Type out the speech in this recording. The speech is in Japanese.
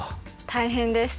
大変です。